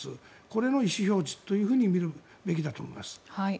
これの意思表示というふうに見るべきだと思います。